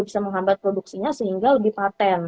bisa menghambat produksinya sehingga lebih patent